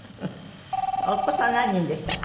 お子さん何人でしたっけ？